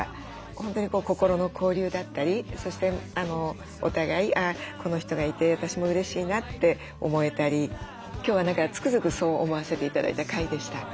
本当に心の交流だったりそしてお互いこの人がいて私もうれしいなって思えたり今日は何かつくづくそう思わせて頂いた回でした。